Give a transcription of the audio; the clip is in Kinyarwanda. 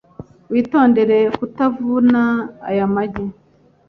Witondere kutavuna aya magi.